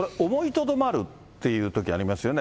これ、思いとどまるっていうときありますよね。